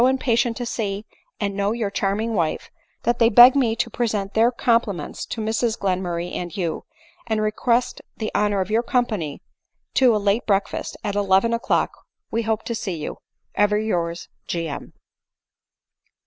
patient to see, and know your charming wife, that they beg me to present their compliments to Mrs Glenmurray and you, and request the honor of your company to a late breakfast ;— at eleven o'clock we hope to see you. Ever yours, G. M.